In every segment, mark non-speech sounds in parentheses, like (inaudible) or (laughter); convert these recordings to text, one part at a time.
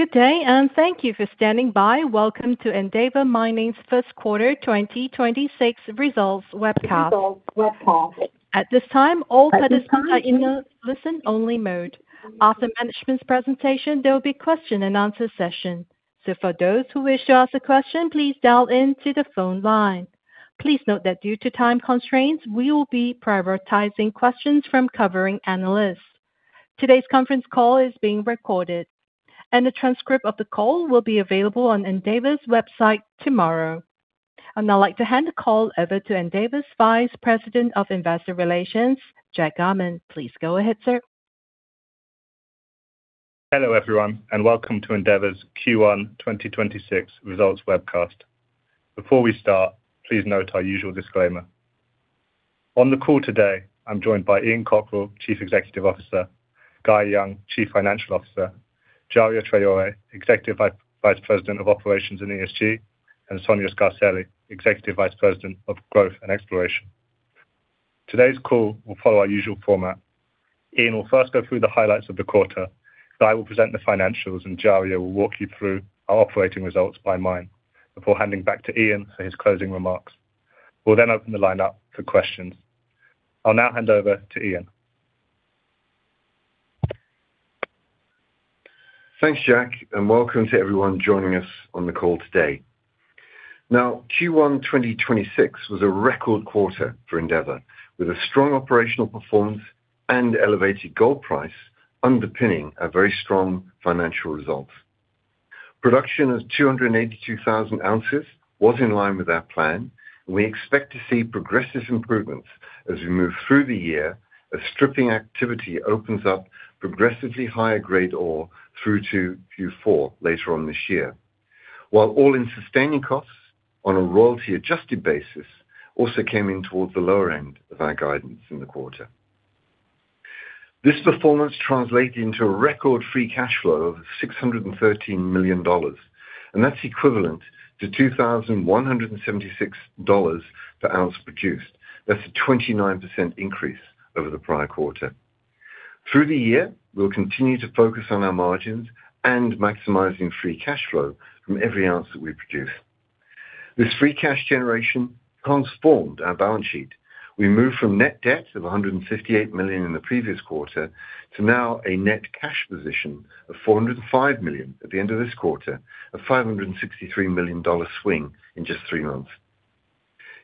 Good day. Thank you for standing by. Welcome to Endeavour Mining's Q1 2026 Results Webcast. At this time, all participants are in a listen-only mode. After management's presentation, there will be question-and-answer session. For those who wish to ask a question, please dial into the phone line. Please note that due to time constraints, we will be prioritizing questions from covering analysts. Today's conference call is being recorded, and a transcript of the call will be available on Endeavour's website tomorrow. I'd now like to hand the call over to Endeavour's Vice President of Investor Relations, Jack Garman. Please go ahead, sir. Hello, everyone, and welcome to Endeavour's Q1 2026 results webcast. Before we start, please note our usual disclaimer. On the call today, I'm joined by Ian Cockerill, Chief Executive Officer, Guy Young, Chief Financial Officer, Djaria Traoré, Executive Vice President of Operations and ESG, and Sonia Scarselli, Executive Vice President of Growth and Exploration. Today's call will follow our usual format. Ian will first go through the highlights of the quarter. Guy will present the financials, and Djaria will walk you through our operating results by mine before handing back to Ian for his closing remarks. We'll then open the line up for questions. I'll now hand over to Ian. Thanks, Jack, and welcome to everyone joining us on the call today. Q1 2026 was a record quarter for Endeavour Mining, with a strong operational performance and elevated gold price underpinning our very strong financial results. Production of 282,000 ounces was in line with our plan. We expect to see progressive improvements as we move through the year as stripping activity opens up progressively higher-grade ore through to Q4 later on this year. All-in sustaining costs on a royalty-adjusted basis also came in towards the lower end of our guidance in the quarter. This performance translated into a record free cash flow of $613 million, that's equivalent to $2,176 per ounce produced. That's a 29% increase over the prior quarter. Through the year, we'll continue to focus on our margins and maximizing free cash flow from every ounce that we produce. This free cash generation transformed our balance sheet. We moved from Net Debt of $158 million in the previous quarter to now a net cash position of $405 million at the end of this quarter, a $563 million swing in just three months.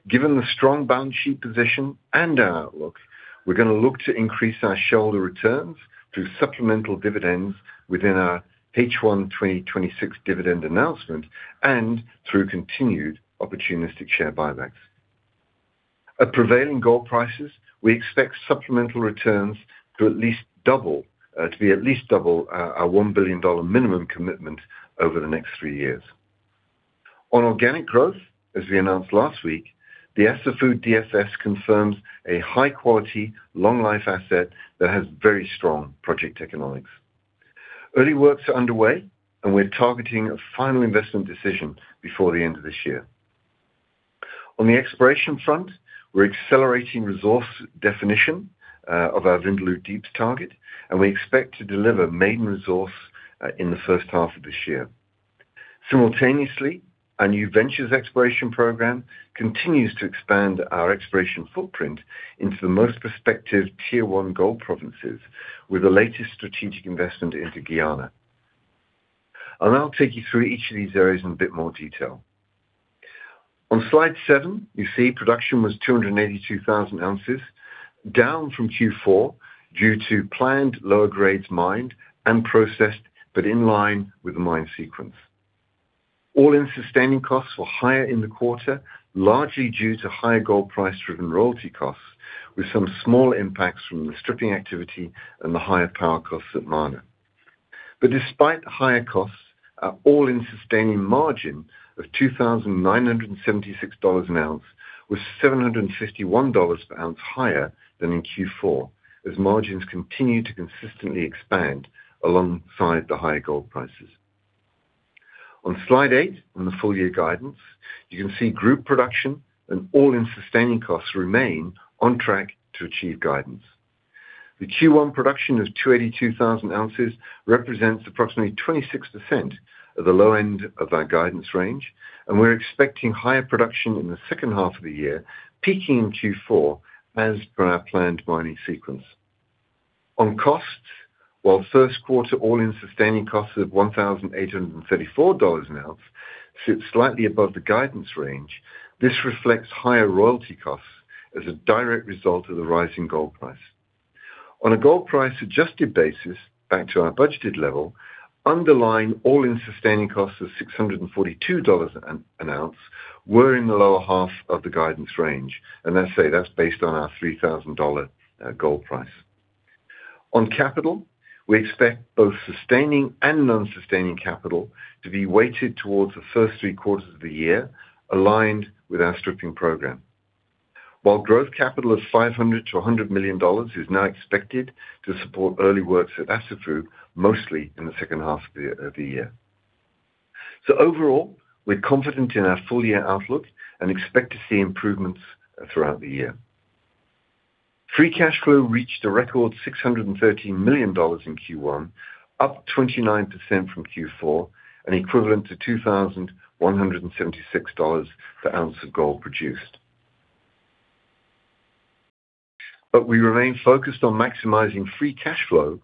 Given the strong balance sheet position and our outlook, we're going to look to increase our shareholder returns through supplemental dividends within our H1 2026 dividend announcement and through continued opportunistic share buybacks. At prevailing gold prices, we expect supplemental returns to be at least double our $1 billion minimum commitment over the next three years. On organic growth, as we announced last week, the Assafou DFS confirms a high-quality, long-life asset that has very strong project economics. Early works are underway, and we're targeting a final investment decision before the end of this year. On the exploration front, we're accelerating resource definition of our Vindaloo Deeps target, and we expect to deliver main resource in the first half of this year. Simultaneously, our new ventures exploration program continues to expand our exploration footprint into the most prospective Tier-1 gold provinces with the latest strategic investment into Guyana. I'll take you through each of these areas in a bit more detail. On slide 7, you see production was 282,000 ounces, down from Q4 due to planned lower grades mined and processed, but in line with the mine sequence. All-in sustaining costs were higher in the quarter, largely due to higher gold price-driven royalty costs, with some small impacts from the stripping activity and the higher power costs at Mana. Despite higher costs, our all-in sustaining margin of $2,976 an ounce was $751 per ounce higher than in Q4, as margins continue to consistently expand alongside the higher gold prices. On slide 8, on the full-year guidance, you can see group production and all-in sustaining costs remain on track to achieve guidance. The Q1 production of 282,000 ounces represents approximately 26% of the low end of our guidance range, and we're expecting higher production in the second half of the year, peaking in Q4 as per our planned mining sequence. On costs, while Q1 All-in sustaining costs of $1,834 an ounce sits slightly above the guidance range, this reflects higher royalty costs as a direct result of the rising gold price. On a gold price-adjusted basis, back to our budgeted level, underlying All-in sustaining costs of $642 an ounce, we're in the lower half of the guidance range. Let's say that's based on our $3,000 gold price. On capital, we expect both sustaining and non-sustaining capital to be weighted towards the first three quarters of the year, aligned with our stripping program. While growth capital of $500 million-$100 million is now expected to support early works at Assafou, mostly in the second half of the year. Overall, we're confident in our full-year outlook and expect to see improvements throughout the year. Free cash flow reached a record $613 million in Q1, up 29% from Q4, and equivalent to $2,176 per ounce of gold produced. We remain focused on maximizing free cash flow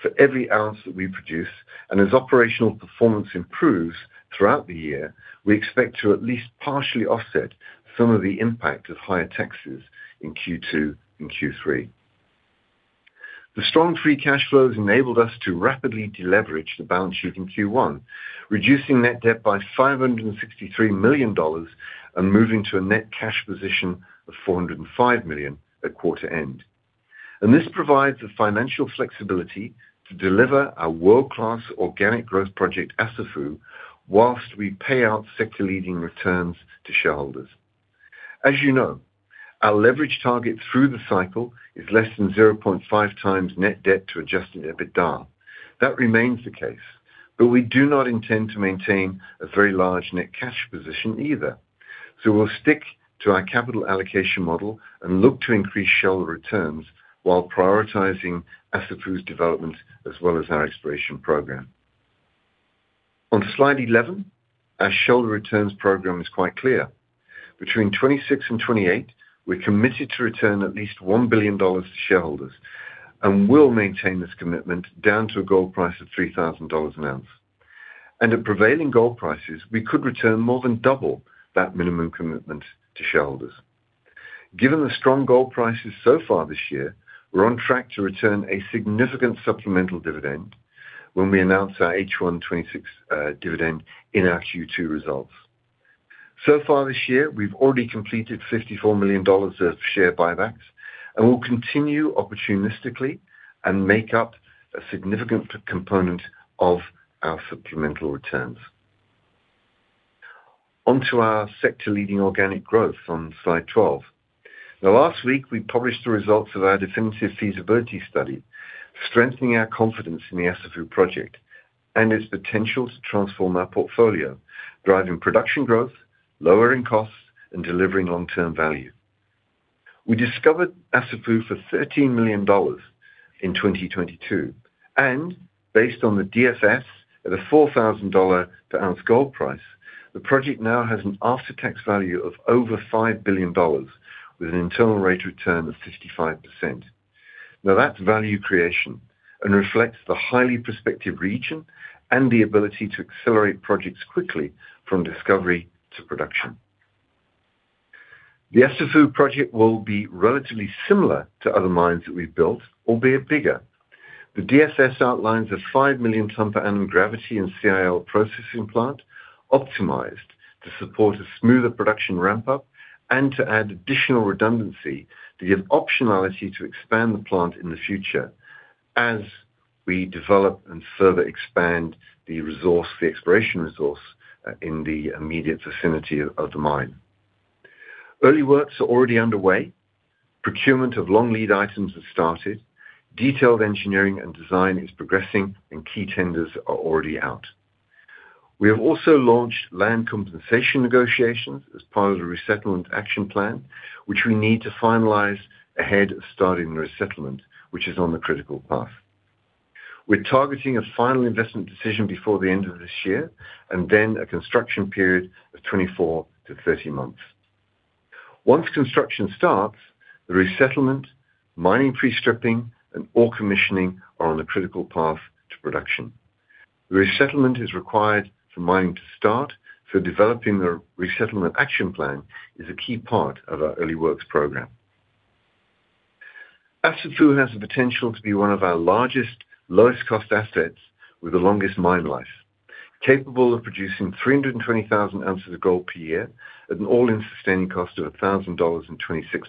for every ounce that we produce. As operational performance improves throughout the year, we expect to at least partially offset some of the impact of higher taxes in Q2 and Q3. The strong free cash flows enabled us to rapidly deleverage the balance sheet in Q1, reducing Net Debt by $563 million and moving to a Net Cash position of $405 million at quarter end. This provides the financial flexibility to deliver our world-class organic growth project, Assafou, whilst we pay out sector-leading returns to shareholders. As you know, our leverage target through the cycle is less than 0.5x Net Debt to adjusted EBITDA. That remains the case, we do not intend to maintain a very large net cash position either. We'll stick to our capital allocation model and look to increase shareholder returns while prioritizing Assafou's development as well as our exploration program. On slide 11, our shareholder returns program is quite clear. Between 2026 and 2028, we're committed to return at least $1 billion to shareholders, we'll maintain this commitment down to a gold price of $3,000 an ounce. At prevailing gold prices, we could return more than double that minimum commitment to shareholders. Given the strong gold prices so far this year, we're on track to return a significant supplemental dividend when we announce our H1 2026 dividend in our Q2 results. So far this year, we've already completed $54 million of share buybacks, and we'll continue opportunistically and make up a significant component of our supplemental returns. Onto our sector-leading organic growth on slide 12. Last week, we published the results of our definitive feasibility study, strengthening our confidence in the Assafou project and its potential to transform our portfolio, driving production growth, lowering costs, and delivering long-term value. We discovered Assafou for $13 million in 2022, and based on the DFS at a $4,000 per ounce gold price, the project now has an after-tax value of over $5 billion with an internal rate of return of 55%. Now that's value creation and reflects the highly prospective region and the ability to accelerate projects quickly from discovery to production. The Assafou project will be relatively similar to other mines that we've built, albeit bigger. The DFS outlines a 5 million ton per annum gravity and CIL processing plant optimized to support a smoother production ramp-up and to add additional redundancy to give optionality to expand the plant in the future as we develop and further expand the resource, the exploration resource, in the immediate vicinity of the mine. Early works are already underway. Procurement of long lead items has started. Detailed engineering and design is progressing, and key tenders are already out. We have also launched land compensation negotiations as part of the resettlement action plan, which we need to finalize ahead of starting the resettlement, which is on the critical path. We're targeting a final investment decision before the end of this year, then a construction period of 24 to 30 months. Once construction starts, the resettlement, mining pre-stripping, and ore commissioning are on the critical path to production. The resettlement is required for mining to start, developing the resettlement action plan is a key part of our early works program. Assafou has the potential to be one of our largest, lowest-cost assets with the longest mine life, capable of producing 320,000 ounces of gold per year at an All-in sustaining cost of $1,026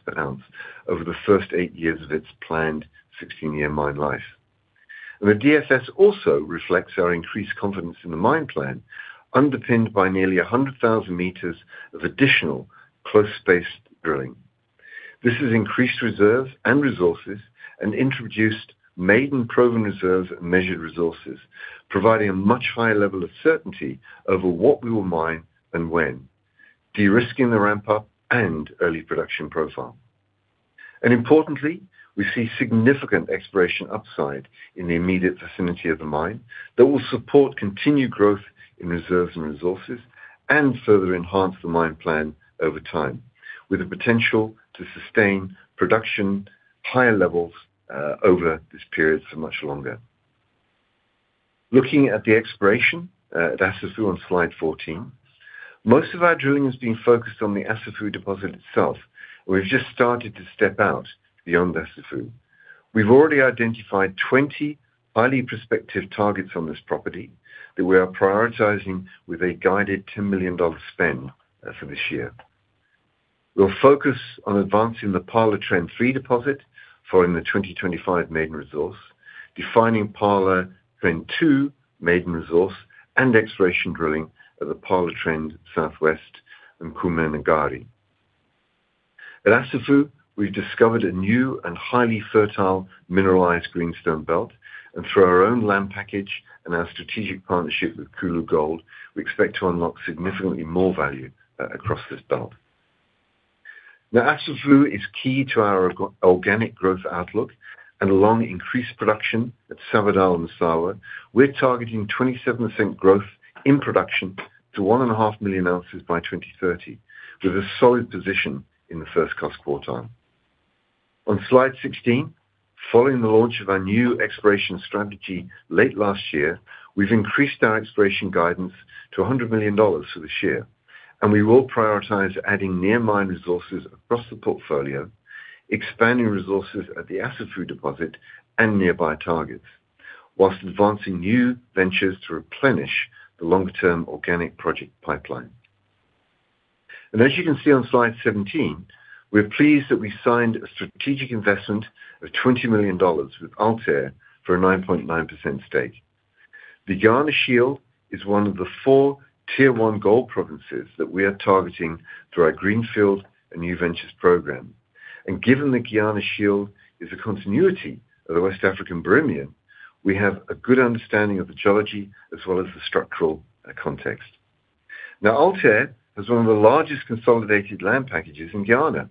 per ounce over the first 8 years of its planned 16-year mine life. The DFS also reflects our increased confidence in the mine plan, underpinned by nearly 100,000 meters of additional close-spaced drilling. This has increased reserves and resources and introduced maiden proven reserves and measured resources, providing a much higher level of certainty over what we will mine and when, de-risking the ramp-up and early production profile. Importantly, we see significant exploration upside in the immediate vicinity of the mine that will support continued growth in reserves and resources and further enhance the mine plan over time, with the potential to sustain production higher levels over this period for much longer. Looking at the exploration at Assafou on slide 14, most of our drilling has been focused on the Assafou deposit itself. We've just started to step out beyond Assafou. We've already identified 20 highly prospective targets on this property that we are prioritizing with a guided $2 million spend for this year. We'll focus on advancing the Pala Trend-III deposit for the 2025 maiden resource, defining Pala Trend-II maiden resource, and exploration drilling at the Pala Trend South West and Kumemgari. At Assafou, we've discovered a new and highly fertile mineralized greenstone belt. Through our own land package and our strategic partnership with Koulou Gold, we expect to unlock significantly more value across this belt. Now, Assafou is key to our organic growth outlook and along increased production at Sabodala-Massawa. We're targeting 27% growth in production to 1.5 million ounces by 2030, with a solid position in the first cusp quartile. On slide 16, following the launch of our new exploration strategy late last year, we've increased our exploration guidance to $100 million for this year. We will prioritize adding near mine resources across the portfolio, expanding resources at the Assafou deposit and nearby targets, whilst advancing new ventures to replenish the longer-term organic project pipeline. As you can see on slide 17, we're pleased that we signed a strategic investment of $20 million with Altair for a 9.9% stake. The Guiana Shield is one of the four Tier 1 gold provinces that we are targeting through our greenfield and new ventures program. Given the Guiana Shield is a continuity of the West African Birimian, we have a good understanding of the geology as well as the structural context. Now, Altair has one of the largest consolidated land packages in Guyana,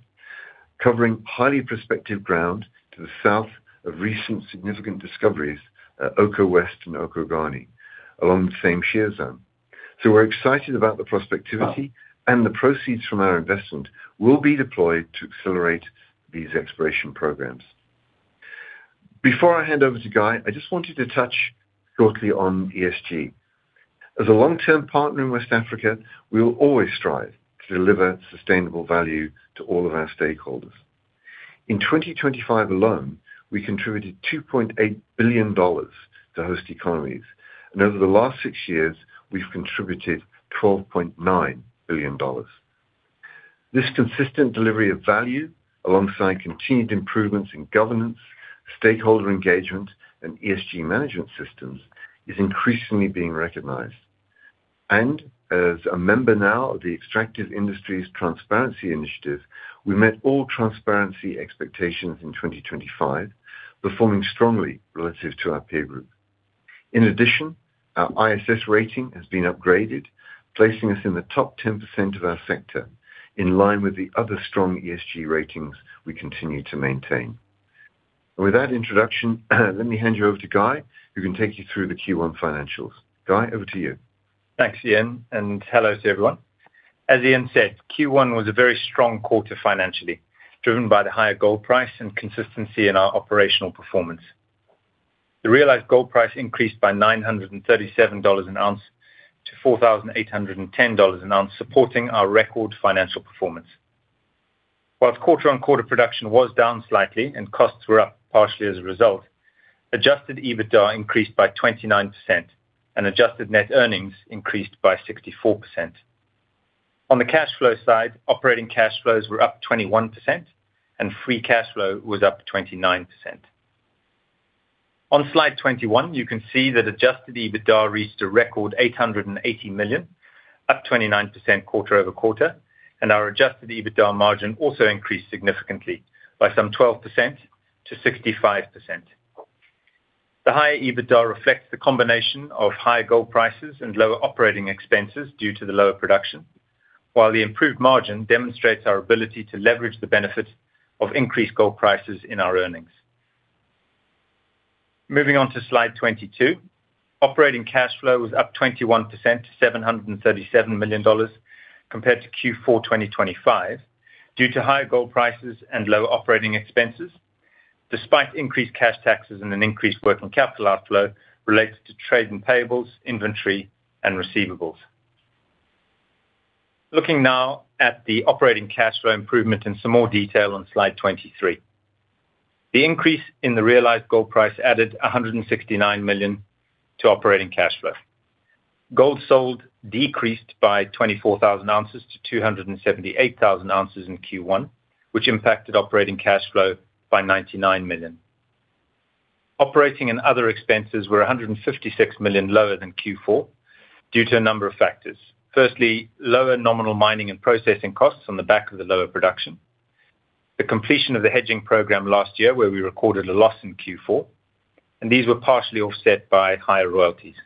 covering highly prospective ground to the south of recent significant discoveries at Oko West and Oko-Ghanie along the same shear zone. We're excited about the prospectivity, and the proceeds from our investment will be deployed to accelerate these exploration programs. Before I hand over to Guy, I just wanted to touch shortly on ESG. As a long-term partner in West Africa, we will always strive to deliver sustainable value to all of our stakeholders. In 2025 alone, we contributed $2.8 billion to host economies, and over the last six years, we've contributed $12.9 billion. This consistent delivery of value, alongside continued improvements in governance, stakeholder engagement, and ESG management systems, is increasingly being recognized. As a member now of the Extractive Industries Transparency Initiative, we met all transparency expectations in 2025, performing strongly relative to our peer group. In addition, our ISS rating has been upgraded, placing us in the top 10% of our sector in line with the other strong ESG ratings we continue to maintain. With that introduction, let me hand you over to Guy, who can take you through the Q1 financials. Guy, over to you. Thanks, Ian. Hello to everyone. As Ian said, Q1 was a very strong quarter financially, driven by the higher gold price and consistency in our operational performance. The realized gold price increased by $937 an ounce to $4,810 an ounce, supporting our record financial performance. Whilst quarter-on-quarter production was down slightly and costs were up partially as a result, adjusted EBITDA increased by 29% and adjusted net earnings increased by 64%. On the cash flow side, operating cash flows were up 21% and free cash flow was up 29%. On slide 21, you can see that adjusted EBITDA reached a record $880 million, up 29% quarter-over-quarter, and our adjusted EBITDA margin also increased significantly by some 12% to 65%. The higher EBITDA reflects the combination of high gold prices and lower operating expenses due to the lower production, while the improved margin demonstrates our ability to leverage the benefit of increased gold prices in our earnings. Moving on to slide 22. Operating cash flow was up 21% to $737 million compared to Q4 2025, due to higher gold prices and lower operating expenses, despite increased cash taxes and an increased working capital outflow related to trade and payables, inventory, and receivables. Looking now at the operating cash flow improvement in some more detail on slide 23. The increase in the realized gold price added $169 million to operating cash flow. Gold sold decreased by 24,000 ounces to 278,000 ounces in Q1, which impacted operating cash flow by $99 million. Operating and other expenses were $156 million lower than Q4 due to a number of factors. Firstly, lower nominal mining and processing costs on the back of the lower production. The completion of the hedging program last year where we recorded a loss in Q4. These were partially offset by higher royalties.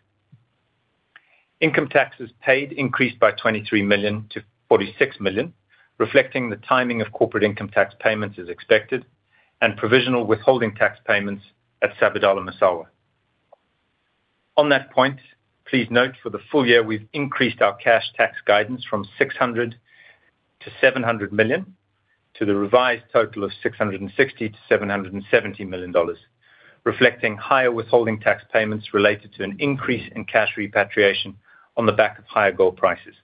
Income taxes paid increased by $23 million to $46 million, reflecting the timing of corporate income tax payments as expected and provisional withholding tax payments at Sabodala-Massawa. On that point, please note for the full year, we've increased our cash tax guidance from $600 million-$700 million to the revised total of $660 million-$770 million, reflecting higher withholding tax payments related to an increase in cash repatriation on the back of higher gold prices.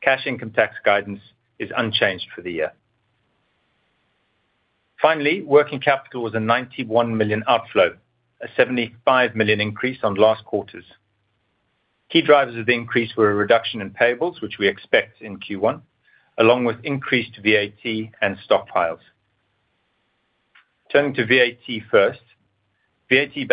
Cash income tax guidance is unchanged for the year. Finally, working capital was a $91 million outflow, a $75 million increase on last quarter's. Key drivers of the increase were a reduction in payables, which we expect in Q1, along with increased VAT and stockpiles. Turning to VAT first. Sorry,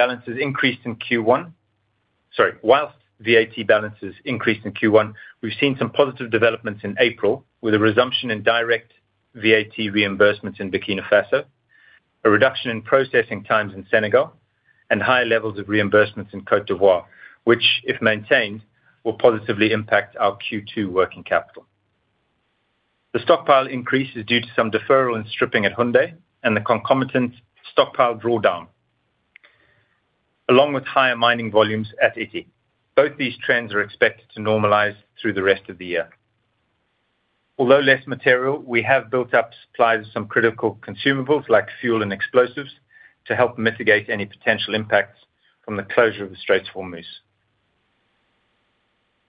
whilst VAT balances increased in Q1, we've seen some positive developments in April with a resumption in direct VAT reimbursements in Burkina Faso, a reduction in processing times in Senegal, and high levels of reimbursements in Côte d'Ivoire, which, if maintained, will positively impact our Q2 working capital. The stockpile increase is due to some deferral and stripping at Houndé and the concomitant stockpile drawdown, along with higher mining volumes at Ity. Both these trends are expected to normalize through the rest of the year. Although less material, we have built up supplies of some critical consumables like fuel and explosives to help mitigate any potential impacts from the closure of the Strait of Hormuz.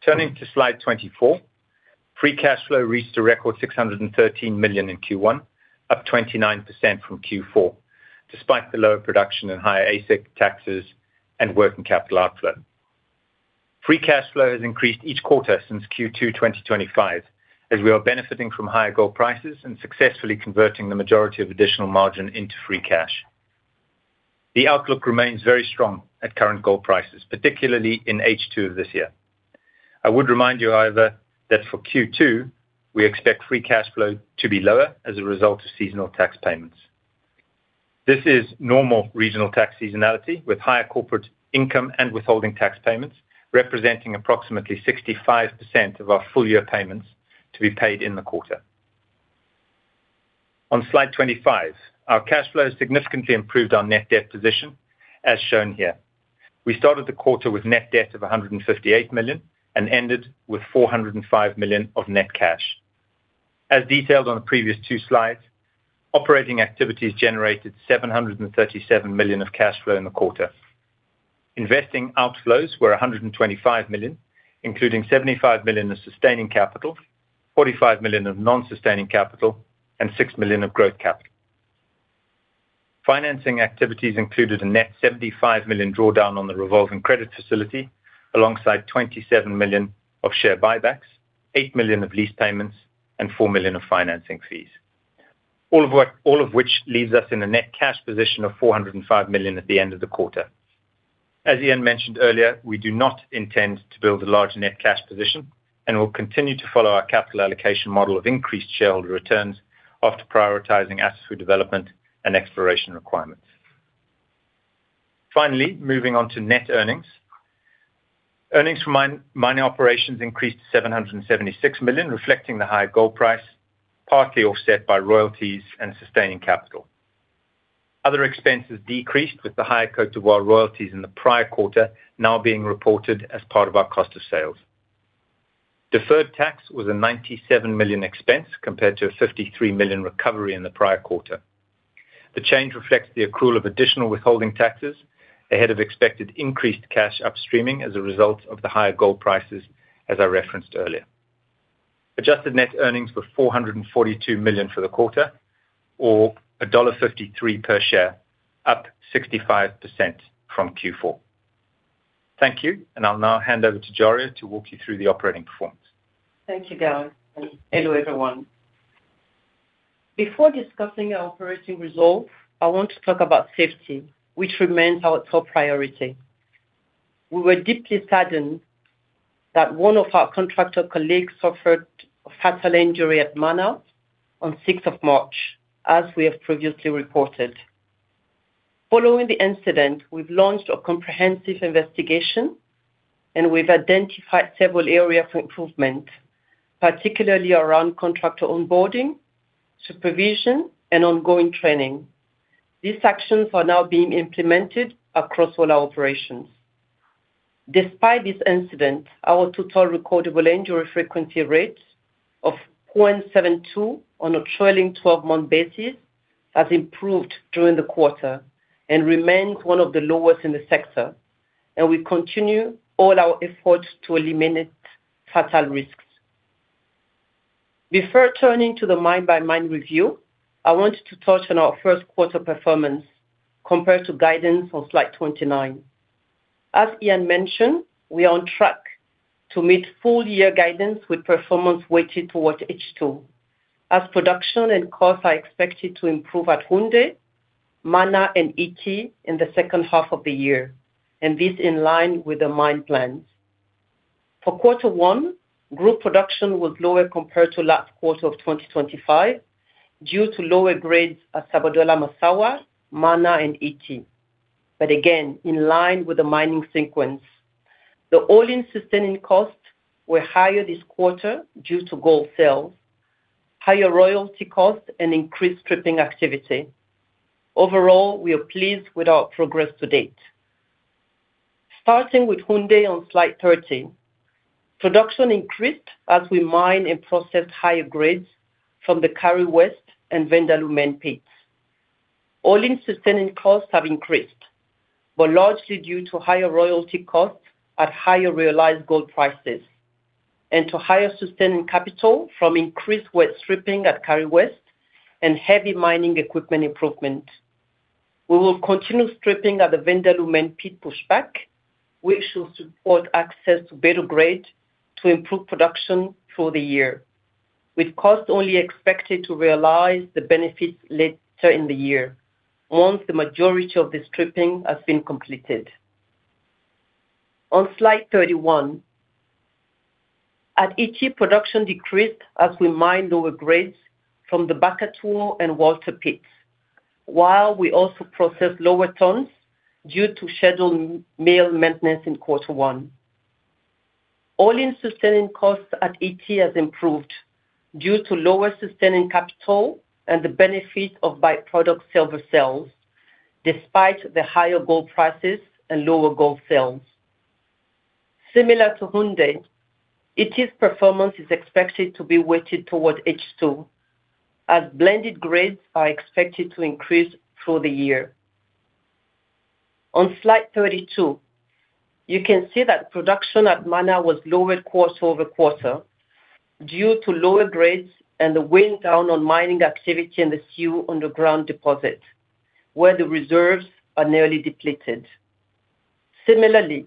Turning to slide 24. Free cash flow reached a record $613 million in Q1, up 29% from Q4, despite the lower production and higher AISC taxes and working capital outflow. Free cash flow has increased each quarter since Q2 2025, as we are benefiting from higher gold prices and successfully converting the majority of additional margin free cash flow. the outlook remains very strong at current gold prices, particularly in H2 of this year. I would remind you, however, that for Q2, we expect free cash flow to be lower as a result of seasonal tax payments. This is normal regional tax seasonality with higher corporate income and withholding tax payments, representing approximately 65% of our full-year payments to be paid in the quarter. On slide 25, our cash flow has significantly improved our Net Debt position, as shown here. We started the quarter with Net Debt of $158 million and ended with $405 million of net cash. As detailed on the previous two slides, operating activities generated $737 million of cash flow in the quarter. Investing outflows were $125 million, including $75 million of sustaining capital, $45 million of non-sustaining capital, and $6 million of growth capital. Financing activities included a net $75 million drawdown on the revolving credit facility, alongside $27 million of share buybacks, $8 million of lease payments, and $4 million of financing fees. All of which leaves us in a net cash position of $405 million at the end of the quarter. As Ian mentioned earlier, we do not intend to build a large net cash position, and we'll continue to follow our capital allocation model of increased shareholder returns after prioritizing asset for development and exploration requirements. Moving on to net earnings. Earnings from mining operations increased to $776 million, reflecting the higher gold price, partly offset by royalties and sustaining capital. Other expenses decreased with the higher Côte d'Ivoire royalties in the prior quarter now being reported as part of our cost of sales. Deferred tax was a $97 million expense compared to a $53 million recovery in the prior quarter. The change reflects the accrual of additional withholding taxes ahead of expected increased cash upstreaming as a result of the higher gold prices, as I referenced earlier. Adjusted net earnings were $442 million for the quarter or $1.53 per share, up 65% from Q4. Thank you. I'll now hand over to Djaria to walk you through the operating performance. Thank you, Guy Young, and hello, everyone. Before discussing our operating results, I want to talk about safety, which remains our top priority. We were deeply saddened that one of our contractor colleagues suffered a fatal injury at Mana on 6 March, as we have previously reported. Following the incident, we've launched a comprehensive investigation, and we've identified several areas for improvement, particularly around contractor onboarding, supervision, and ongoing training. These actions are now being implemented across all our operations. Despite this incident, our Total Recordable Injury Frequency Rate of 0.72 on a trailing 12-month basis has improved during the quarter and remains one of the lowest in the sector, and we continue all our efforts to eliminate fatal risks. Before turning to the mine-by-mine review, I wanted to touch on our Q1 performance compared to guidance on slide 29. As Ian mentioned, we are on track to meet full-year guidance with performance weighted towards H2 as production and costs are expected to improve at Houndé, Mana, and Ity in the second half of the year, this in line with the mine plans. For Q1, group production was lower compared to last quarter of 2025 due to lower grades at Sabodala-Massawa, Mana, and Ity. Again, in line with the mining sequence. The All-in sustaining costs were higher this quarter due to gold sales, higher royalty costs, and increased stripping activity. Overall, we are pleased with our progress to date. Starting with Houndé on slide 13, production increased as we mine and process higher grades from the Kari West and Vindaloo Main pit. All-in sustaining costs have increased, but largely due to higher royalty costs at higher realized gold prices and to higher sustaining capital from increased wet stripping at Kari West and heavy mining equipment improvement. We will continue stripping at the Venetia Main Pit pushback, which will support access to better grade to improve production through the year. With costs only expected to realize the benefits later in the year once the majority of the stripping has been completed. On slide 31, at Ity production decreased as we mined lower grades from the Bakatu and Walter pits, while we also processed lower tons due to scheduled mill maintenance in Q1. All-in sustaining costs at Ity has improved due to lower sustaining capital and the benefit of by-product silver sales, despite the higher gold prices and lower gold sales. Similar to Houndé, Ity's performance is expected to be weighted towards H2 as blended grades are expected to increase through the year. On slide 32, you can see that production at Mana was lower quarter-over-quarter due to lower grades and the wind down on mining activity in the Sewe underground deposit, where the reserves are nearly depleted. Similarly,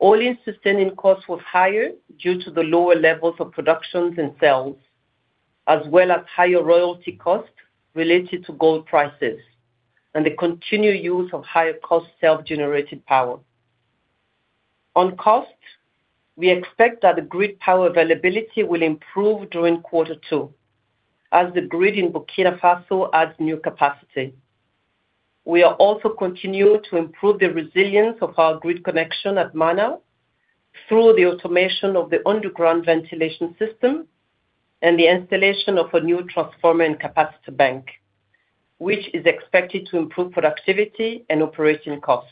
All-in sustaining costs was higher due to the lower levels of productions and sales, as well as higher royalty costs related to gold prices and the continued use of higher cost self-generated power. On costs, we expect that the grid power availability will improve during Q2 as the grid in Burkina Faso adds new capacity. We are also continuing to improve the resilience of our grid connection at Mana through the automation of the underground ventilation system and the installation of a new transformer and capacitor bank, which is expected to improve productivity and operating costs.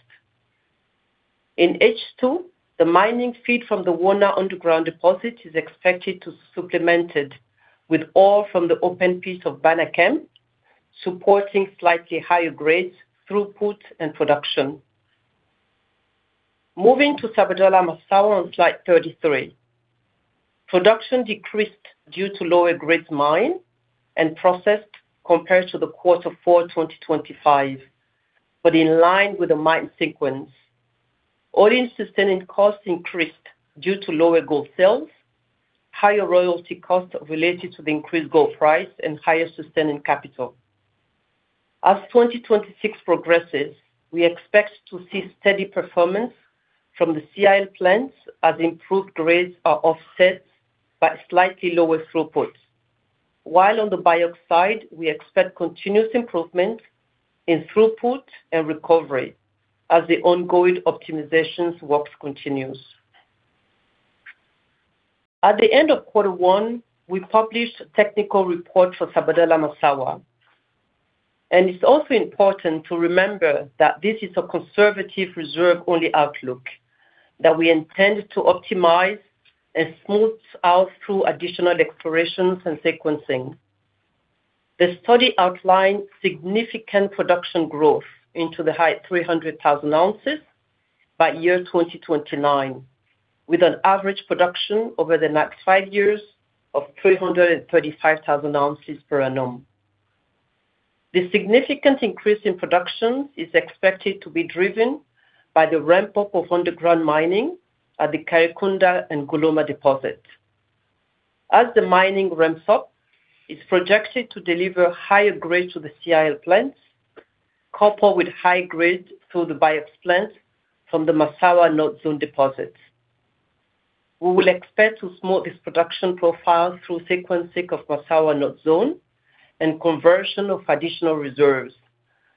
In H2, the mining feed from the Wona underground deposit is expected to supplemented with ore from the open pits of Banakem, supporting slightly higher grades, throughput, and production. Moving to Sabodala-Massawa on slide 33. Production decreased due to lower grades mined and processed compared to Q4 2025, but in line with the mine sequence. All-in sustaining costs increased due to lower gold sales, higher royalty costs related to the increased gold price, and higher sustaining capital. As 2026 progresses, we expect to see steady performance from the CIL plants as improved grades are offset by slightly lower throughput. While on the BIOX side, we expect continuous improvement in throughput and recovery as the ongoing optimizations work continues. At the end of Q1, we published a technical report for Sabodala-Massawa, and it's also important to remember that this is a conservative reserve-only outlook that we intend to optimize and smooth out through additional explorations and sequencing. The study outlined significant production growth into the high 300,000 ounces by year 2029, with an average production over the next five years of 335,000 ounces per annum. The significant increase in production is expected to be driven by the ramp-up of underground mining at the Kerekounda and Golouma deposits. As the mining ramps up, it's projected to deliver higher grades to the CIL plants, coupled with high grades through the BIOX plants from the Massawa North Zone deposits. We will expect to smooth this production profile through sequencing of Massawa North Zone and conversion of additional reserves,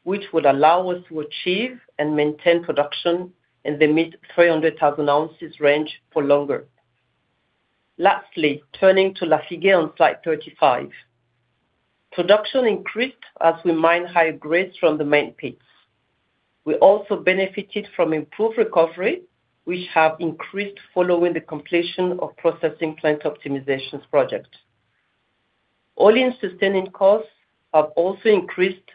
which will allow us to achieve and maintain production in the mid 300,000 ounces range for longer. Lastly, turning to Lafigué on slide 35. Production increased as we mined higher grades from the main pits. We also benefited from improved recovery, which have increased following the completion of processing plant optimizations project. All-in sustaining costs have also increased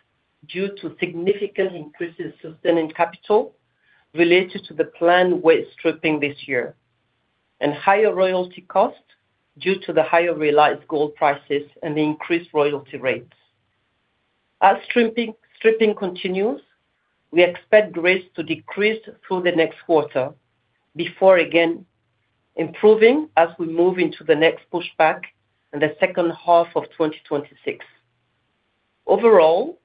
due to significant increases in sustaining capital related to the planned waste stripping this year, and higher royalty costs due to the higher realized gold prices and the increased royalty rates. As stripping continues, we expect grades to decrease through the next quarter before again improving as we move into the next pushback in the second half of 2026. Overall,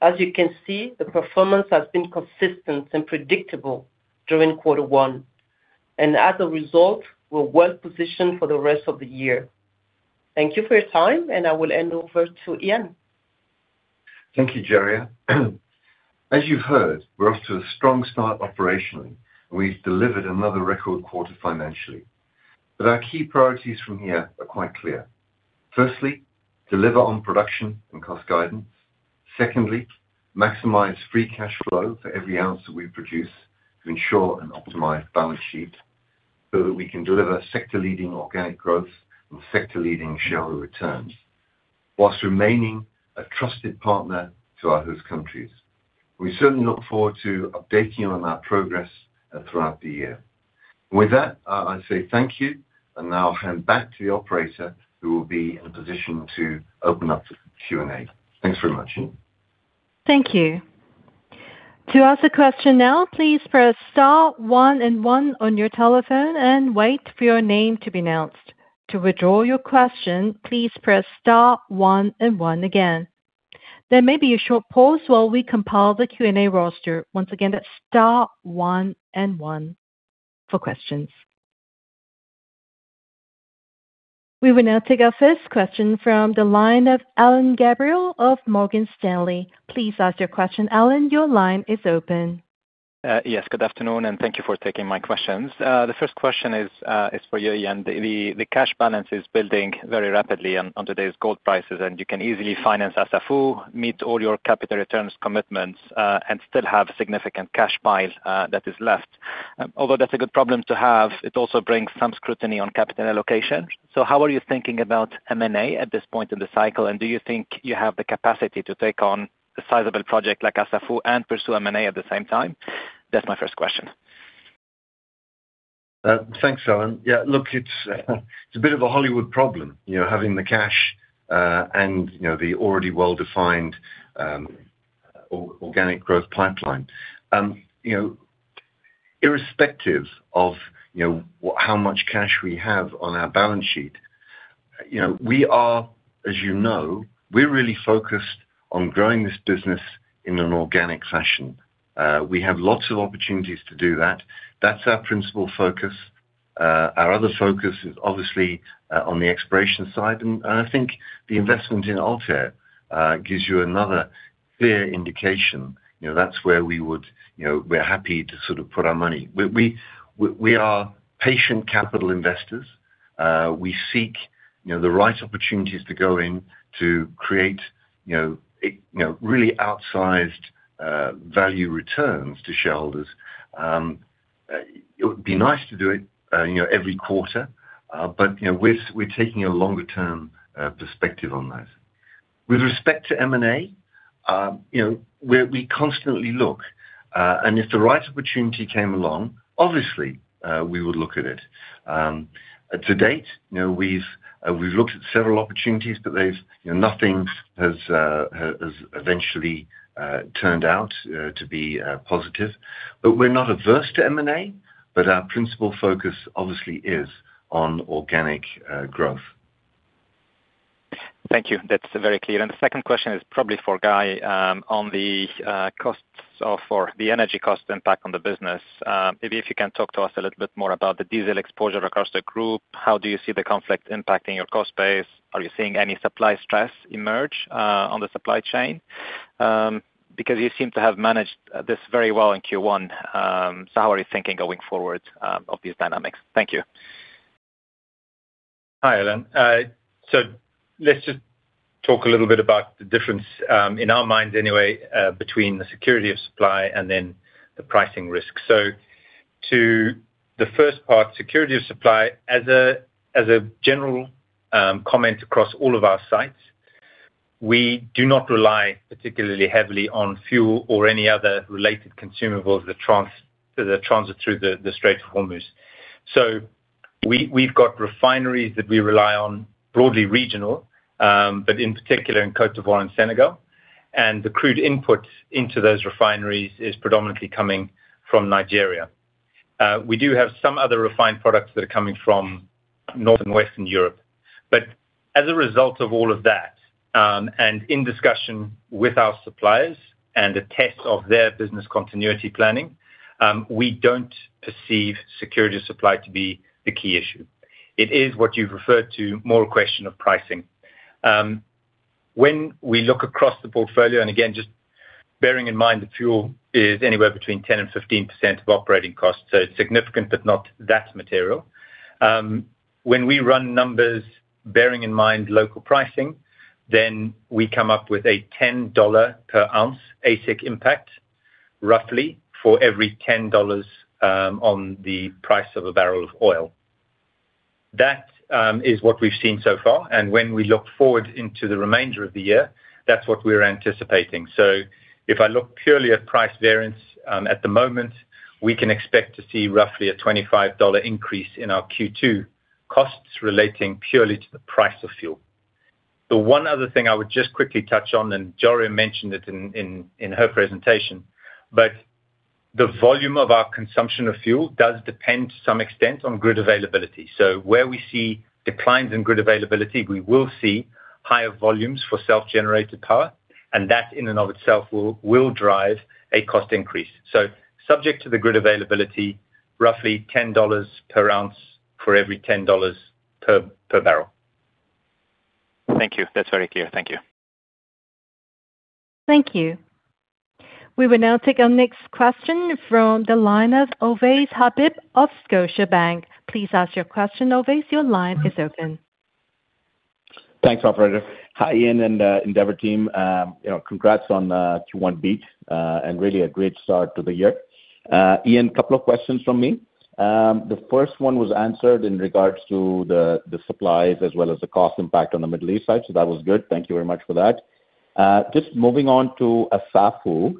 as you can see, the performance has been consistent and predictable during Q1. As a result, we're well-positioned for the rest of the year. Thank you for your time, and I will hand over to Ian. Thank you, Djaria. As you've heard, we're off to a strong start operationally. We've delivered another record quarter financially. Our key priorities from here are quite clear. Firstly, deliver on production and cost guidance. Secondly, maximize free cash flow for every ounce that we produce to ensure an optimized balance sheet so that we can deliver sector-leading organic growth and sector-leading shareholder returns whilst remaining a trusted partner to our host countries. We certainly look forward to updating you on our progress throughout the year. With that, I say thank you. Now I'll hand back to the operator, who will be in a position to open up the Q&A. Thanks very much. Thank you. To ask a question now, please press star one and one on your telephone and wait for your name to be announced. To withdraw your question, please press star one and one again. Then maybe you should pause while we compile the Q&A roster. Once again press star one and one for questions. We will now take our first question from the line of Alain Gabriel of Morgan Stanley. Please ask your question. Alain, your line is open. Yes, good afternoon, thank you for taking my questions. The first question is for you, Ian. The cash balance is building very rapidly on today's gold prices, you can easily finance Assafou, meet all your capital returns commitments, still have significant cash piles that is left. Although that's a good problem to have, it also brings some scrutiny on capital allocation. How are you thinking about M&A at this point in the cycle, do you think you have the capacity to take on a sizable project like Assafou and pursue M&A at the same time? That's my first question. Thanks, Alain. Yeah, look, it's a bit of a Hollywood problem, you know, having the cash, and, you know, the already well-defined organic growth pipeline. You know, irrespective of, you know, how much cash we have on our balance sheet, you know, we are, as you know, we're really focused on growing this business in an organic fashion. We have lots of opportunities to do that. That's our principal focus. Our other focus is obviously on the exploration side and I think the investment in Altair gives you another clear indication. You know, that's where we would, you know, we're happy to sort of put our money. We are patient capital investors. We seek, you know, the right opportunities to go in to create, you know, a, you know, really outsized value returns to shareholders. It would be nice to do it, you know, every quarter, but, you know, we're taking a longer-term perspective on those. With respect to M&A, you know, we constantly look, and if the right opportunity came along, obviously, we would look at it. To date, you know, we've looked at several opportunities, but there's, you know, nothing has eventually turned out to be positive. We're not averse to M&A, but our principal focus obviously is on organic growth. Thank you. That's very clear. The second question is probably for Guy. On the costs of or the energy cost impact on the business. Maybe if you can talk to us a little bit more about the diesel exposure across the group. How do you see the conflict impacting your cost base? Are you seeing any supply stress emerge on the supply chain? Because you seem to have managed this very well in Q1. How are you thinking going forward of these dynamics? Thank you. Hi, Alain. Let's just talk a little bit about the difference, in our minds anyway, between the security of supply and then the pricing risk. To the first part, security of supply, as a, as a general comment across all of our sites, we do not rely particularly heavily on fuel or any other related consumables that transit through the Strait of Hormuz. We've got refineries that we rely on, broadly regional, but in particular in Côte d'Ivoire and Senegal, and the crude input into those refineries is predominantly coming from Nigeria. We do have some other refined products that are coming from North and Western Europe. As a result of all of that, and in discussion with our suppliers and a test of their business continuity planning, we don't perceive security of supply to be the key issue. It is what you've referred to more a question of pricing. When we look across the portfolio, and again, just bearing in mind that fuel is anywhere between 10% and 15% of operating costs, so it's significant, but not that material. When we run numbers bearing in mind local pricing, then we come up with a $10 per ounce AISC impact, roughly, for every $10 on the price of a barrel of oil. That is what we've seen so far, and when we look forward into the remainder of the year, that's what we're anticipating. If I look purely at price variance, at the moment, we can expect to see roughly a $25 increase in our Q2 costs relating purely to the price of fuel. The one other thing I would just quickly touch on, and Djaria mentioned it in her presentation, but the volume of our consumption of fuel does depend to some extent on grid availability. Where we see declines in grid availability, we will see higher volumes for self-generated power, and that in and of itself will drive a cost increase. Subject to the grid availability, roughly $10 per ounce for every $10 per barrel. Thank you. That's very clear. Thank you. Thank you. We will now take our next question from the line of Ovais Habib of Scotiabank. Please ask your question, Ovais. Your line is open. Thanks, operator. Hi, Ian and Endeavour team. You know, congrats on Q1 beat, and really a great start to the year. Ian, couple of questions from me. The first one was answered in regards to the supplies as well as the cost impact on the Middle East side. That was good. Thank you very much for that. Just moving on to Assafou.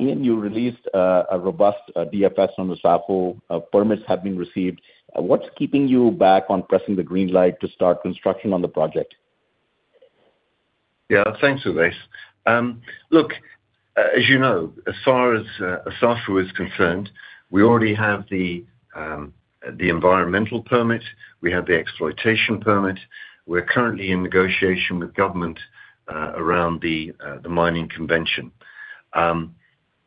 Ian, you released a robust DFS on Assafou. Permits have been received. What's keeping you back on pressing the green light to start construction on the project? Yeah. Thanks, Ovais. Look, as you know, as far as Assafou is concerned, we already have the environmental permit. We have the exploitation permit. We're currently in negotiation with government around the mining convention.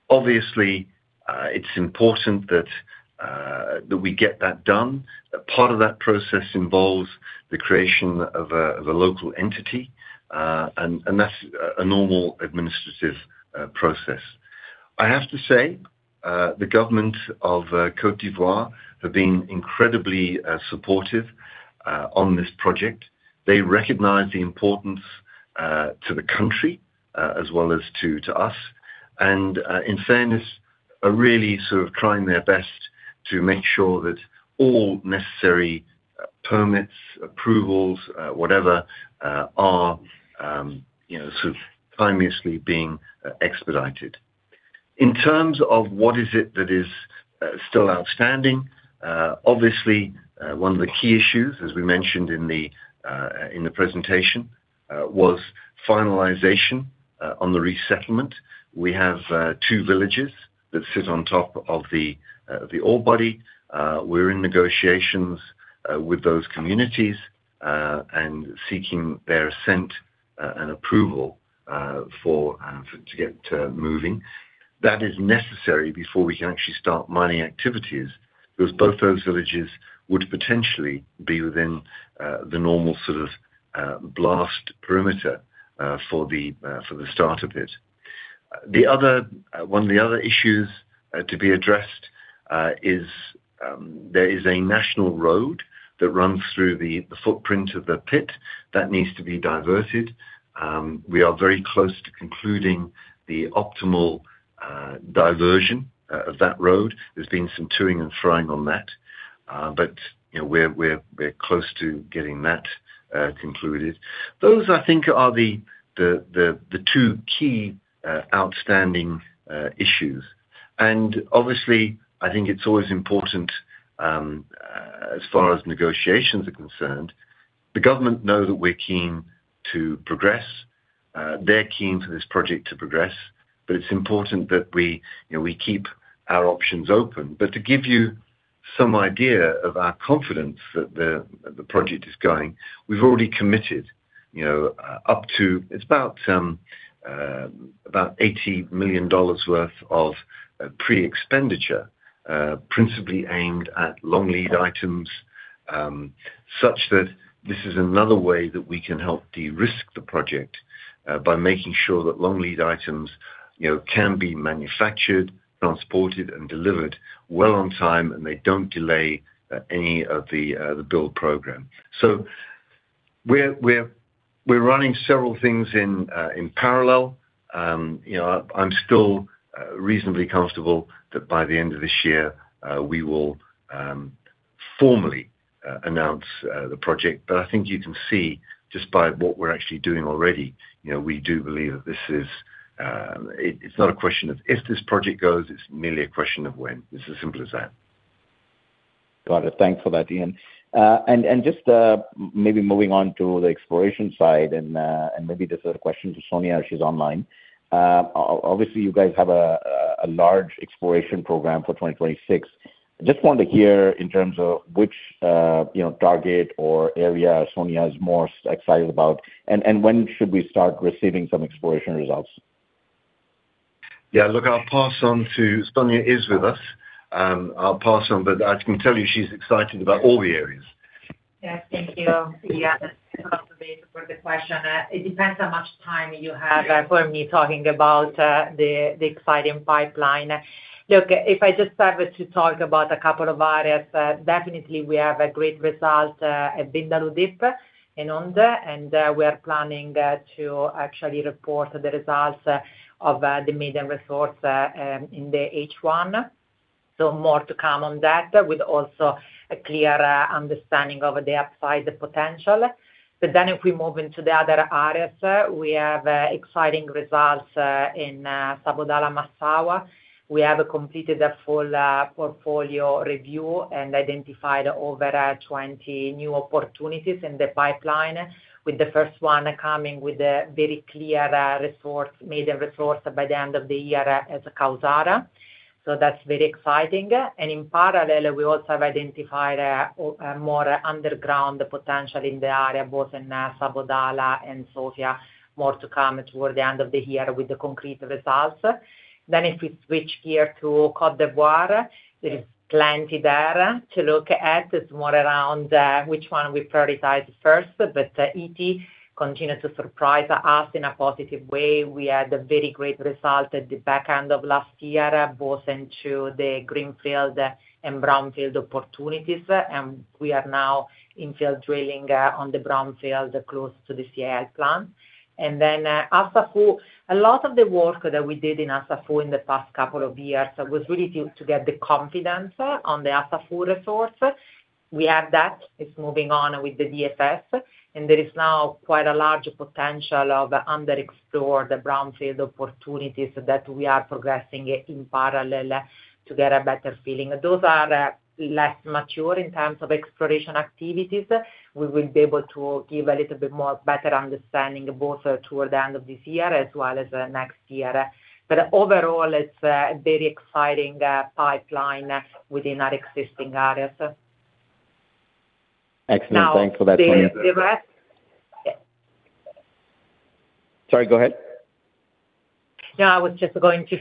Obviously, it's important that we get that done. A part of that process involves the creation of a local entity, and that's a normal administrative process. I have to say, the government of Côte d'Ivoire have been incredibly supportive on this project. They recognize the importance to the country as well as to us, and in fairness, are really sort of trying their best to make sure that all necessary permits, approvals, whatever, are, you know, sort of timeously being expedited. In terms of what is it that is still outstanding, obviously, one of the key issues, as we mentioned in the presentation, was finalization on the resettlement. We have two villages that sit on top of the ore body. We're in negotiations with those communities and seeking their assent and approval for for it to get moving. That is necessary before we can actually start mining activities, because both those villages would potentially be within the normal sort of blast perimeter for the for the start of it. One of the other issues to be addressed is there is a national road that runs through the footprint of the pit. That needs to be diverted. We are very close to concluding the optimal diversion of that road. There's been some to-ing and froing on that, but, you know, we're close to getting that concluded. Those, I think, are the two key outstanding issues. Obviously, I think it's always important as far as negotiations are concerned, the government know that we're keen to progress. They're keen for this project to progress, but it's important that we, you know, we keep our options open. To give you some idea of our confidence that the project is going, we've already committed, you know, about $80 million worth of pre-expenditure, principally aimed at long lead items, such that this is another way that we can help de-risk the project by making sure that long lead items, you know, can be manufactured, transported, and delivered well on time, and they don't delay any of the build program. We're running several things in parallel. You know, I'm still reasonably comfortable that by the end of this year, we will formally announce the project. I think you can see just by what we're actually doing already, you know, we do believe that this is, it's not a question of if this project goes, it's merely a question of when. It's as simple as that. Got it. Thanks for that, Ian. Maybe moving on to the exploration side and maybe this is a question to Sonia if she's online. Obviously, you guys have a large exploration program for 2026. Just want to hear in terms of which, you know, target or area Sonia is most excited about, and when should we start receiving some exploration results? Yeah. Look, I'll pass on. Sonia is with us. I'll pass on, but I can tell you she's excited about all the areas. Yeah. Thank you. Yeah. For the question. It depends how much time you have for me talking about the exciting pipeline. Look, if I just have to talk about a couple of areas, definitely we have a great result at Vindaloo Deeps in Houndé, we are planning to actually report the results of the maiden resource in the H1. More to come on that with also a clear understanding of the upside potential. If we move into the other areas, we have exciting results in Sabodala-Massawa. We have completed a full portfolio review and identified over 20 new opportunities in the pipeline, with the first one coming with a very clear resource, maiden resource by the end of the year as Kawsara. That's very exciting. In parallel, we also have identified more underground potential in the area, both in Sabodala and Sofia. More to come toward the end of the year with the concrete results. If we switch gear to Côte d'Ivoire, there is plenty there to look at. It's more around which one we prioritize first, but Ity continues to surprise us in a positive way. We had a very great result at the back end of last year, both into the greenfield and brownfield opportunities, and we are now infill drilling on the brownfield close to the CIL plant. Then Assafou, a lot of the work that we did in Assafou in the past couple of years was really due to get the confidence on the Assafou resource. We have that. It's moving on with the DFS, and there is now quite a large potential of underexplored brownfield opportunities that we are progressing in parallel to get a better feeling. Those are less mature in terms of exploration activities. We will be able to give a little bit more better understanding both toward the end of this year as well as next year. Overall, it's a very exciting pipeline within our existing areas. Excellent. Thanks for that, Sonia. Now, the rest Sorry, go ahead. No, I was just going to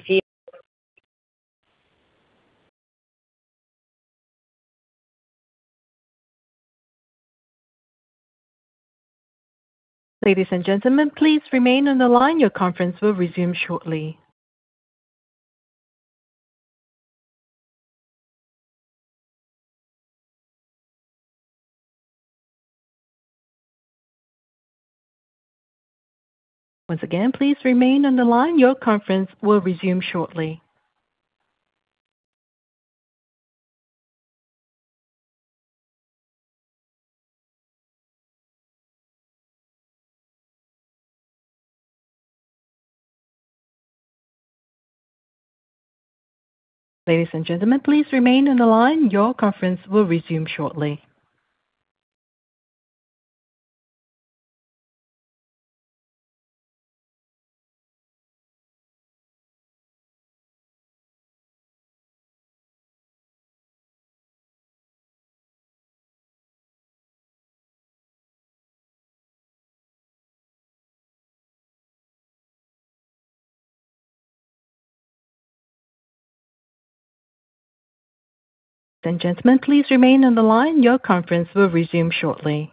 see.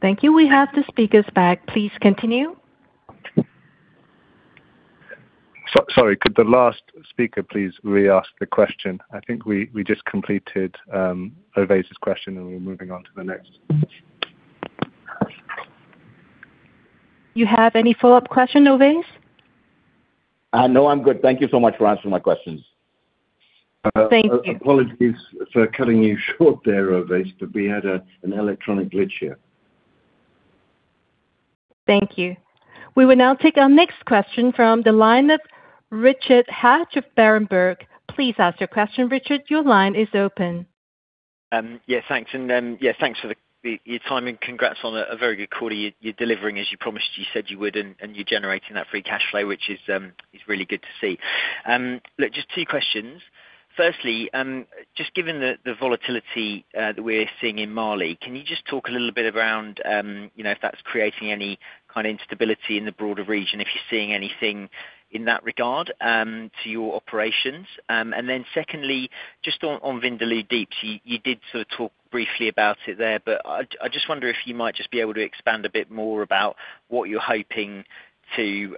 Thank you. We have the speakers back. Please continue. Sorry, could the last speaker please re-ask the question? I think we just completed Ovais' question, and we're moving on to the next. You have any follow-up question, Ovais? No, I'm good. Thank you so much for answering my questions. Thank you. Apologies for cutting you short there, Ovais, but we had an electronic glitch here. Thank you. We will now take our next question from the line of Richard Hatch of Berenberg. Please ask your question. Richard, your line is open. Yes. Thanks. Yes, thanks for your time, and congrats on a very good quarter. You're delivering as you promised you said you would, and you're generating that free cash flow, which is really good to see. Look, just two questions. Firstly, just given the volatility that we're seeing in Mali, can you just talk a little bit around, you know, if that's creating any kind of instability in the broader region, if you're seeing anything in that regard, to your operations? Secondly, just on Vindaloo Deeps, you did sort of talk briefly about it there, but I just wonder if you might just be able to expand a bit more about what you're hoping to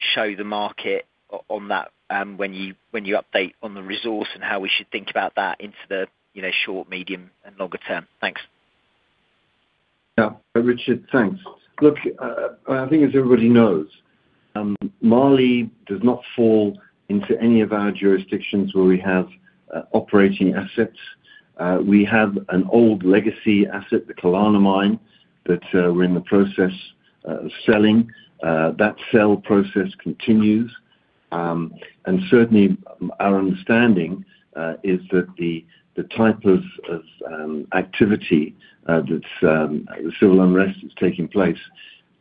show the market on that when you update on the resource and how we should think about that into the, you know, short, medium, and longer term. Thanks. Richard, thanks. Look, I think as everybody knows, Mali does not fall into any of our jurisdictions where we have operating assets. We have an old legacy asset, the Kalana project, that we're in the process of selling. That sale process continues. Certainly our understanding is that the type of activity that's the civil unrest that's taking place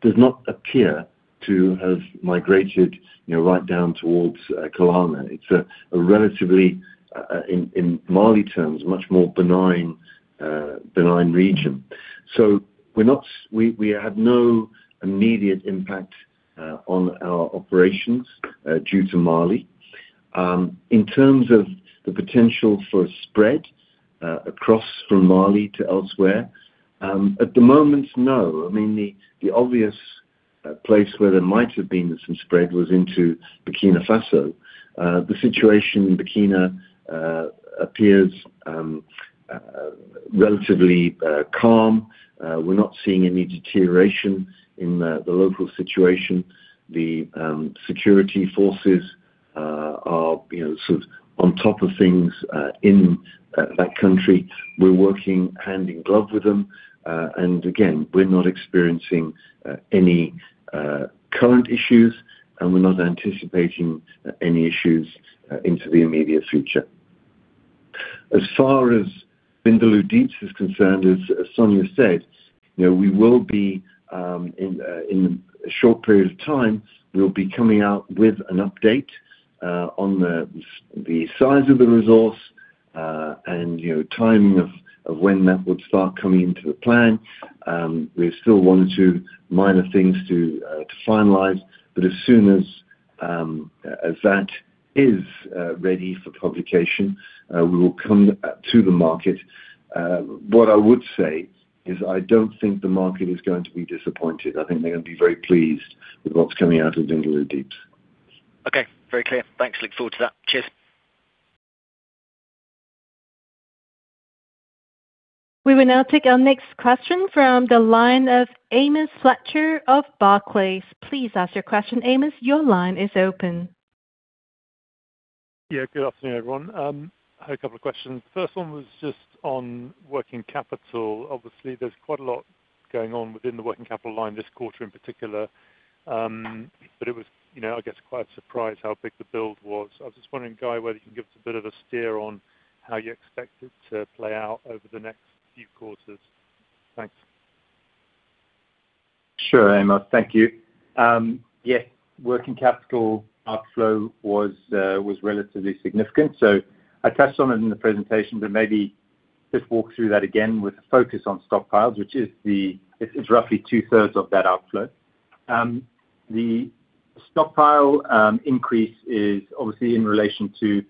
does not appear to have migrated, you know, right down towards Kalana. It's a relatively in Mali terms, much more benign region. We have no immediate impact on our operations due to Mali. In terms of the potential for spread across from Mali to elsewhere, at the moment, no. I mean, the obvious place where there might have been some spread was into Burkina Faso. The situation in Burkina appears relatively calm. We're not seeing any deterioration in the local situation. The security forces are, you know, sort of on top of things in that country. We're working hand in glove with them. Again, we're not experiencing any current issues, and we're not anticipating any issues into the immediate future. As far as Vindaloo Deeps is concerned, as Sonia said, you know, we will be in a short period of time, we'll be coming out with an update on the size of the resource, and, you know, timing of when that would start coming into the plan. We've still one or two minor things to finalize. As soon as that is ready for publication, we will come to the market. What I would say is I don't think the market is going to be disappointed. I think they're going to be very pleased with what's coming out of Vindaloo Deeps. Okay. Very clear. Thanks. Look forward to that. Cheers. We will now take our next question from the line of Amos Fletcher of Barclays. Please ask your question. Amos, your line is open. Yeah, good afternoon, everyone. I had a couple of questions. First one was just on working capital. Obviously, there's quite a lot going on within the working capital line this quarter in particular. It was, you know, I guess quite surprised how big the build was. I was just wondering, Guy, whether you can give us a bit of a steer on how you expect it to play out over the next few quarters. Thanks. Sure, Amos. Thank you. Yes, working capital outflow was relatively significant. I touched on it in the presentation, but maybe just walk through that again with a focus on stockpiles. It's roughly 2/3 of that outflow. The stockpile increase is obviously in relation to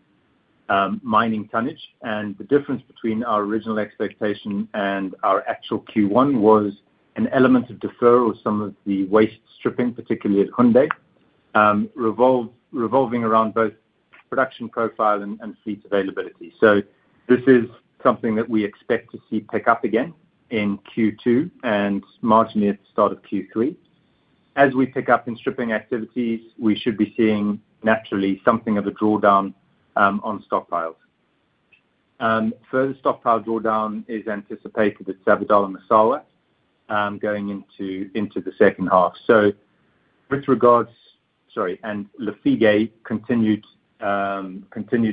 mining tonnage. The difference between our original expectation and our actual Q1 was an element of defer or some of the waste stripping, particularly at Houndé, revolving around both production profile and fleet availability. This is something that we expect to see pick up again in Q2 and marginally at the start of Q3. As we pick up in stripping activities, we should be seeing naturally something of a drawdown on stockpiles. Further stockpile drawdown is anticipated at Sabodala-Massawa going into the second half. With regards. Sorry, Lafigué continued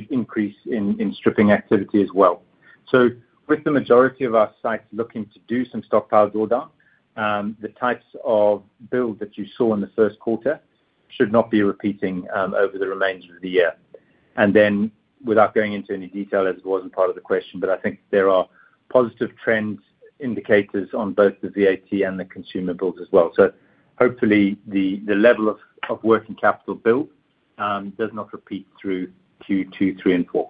increase in stripping activity as well. With the majority of our sites looking to do some stockpile drawdown, the types of build that you saw in the Q1 should not be repeating over the remainder of the year. Without going into any detail, as it wasn't part of the question, but I think there are positive trends indicators on both the VAT and the consumer builds as well. Hopefully, the level of working capital build does not repeat through Q2, Q3 and Q4.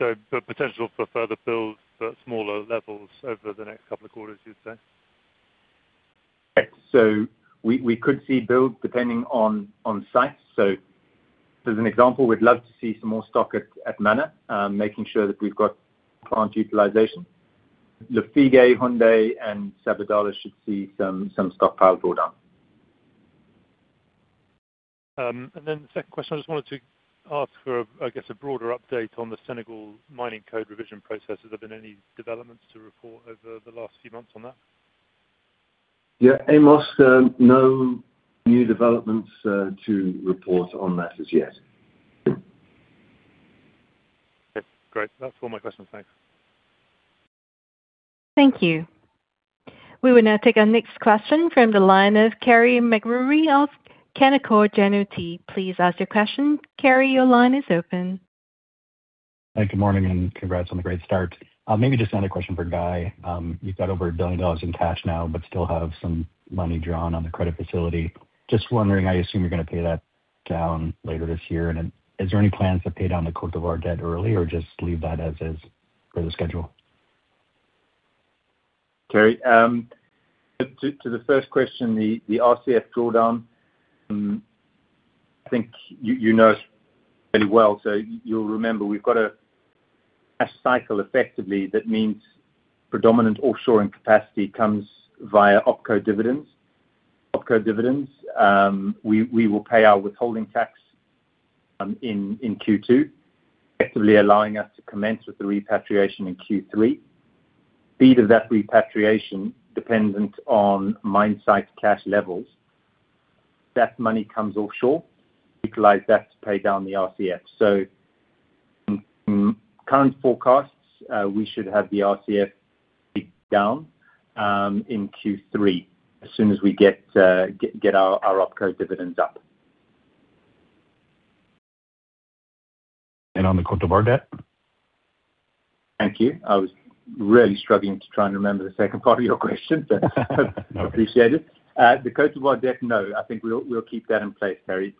Yeah. The potential for further builds at smaller levels over the next two quarters, you'd say? Yes. We could see build depending on sites. As an example, we'd love to see some more stock at Mana, making sure that we've got plant utilization. Lafigué, Houndé and Sabodala should see some stockpile drawdown. The second question, I just wanted to ask for, I guess, a broader update on the Senegal mining code revision process. Has there been any developments to report over the last few months on that? Yeah, Amos, no new developments to report on that as yet. Okay, great. That's all my questions. Thanks. Thank you. We will now take our next question from the line of Carey MacRury of Canaccord Genuity. Please ask your question. Carey, your line is open. Hi, good morning, and congrats on the great start. Maybe just another question for Guy. You've got over $1 billion in cash now but still have some money drawn on the credit facility. Just wondering, I assume you're gonna pay that down later this year and then is there any plans to pay down the Côte d'Ivoire debt early or just leave that as is per the schedule? Carey, to the first question, the RCF drawdown, I think you know us very well. You'll remember we've got a cycle effectively that means predominant offshoring capacity comes via OpCo dividends. OpCo dividends. We will pay our withholding tax in Q2, effectively allowing us to commence with the repatriation in Q3. Speed of that repatriation dependent on mine site cash levels. That money comes offshore, utilize that to pay down the RCF. From current forecasts, we should have the RCF paid down in Q3 as soon as we get our OpCo dividends up. On the Côte d'Ivoire debt? Thank you. I was really struggling to try and remember the second part of your question, but I appreciate it. The Côte d'Ivoire debt, no, I think we'll keep that in place, Carey.